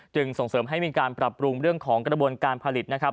ส่งเสริมให้มีการปรับปรุงเรื่องของกระบวนการผลิตนะครับ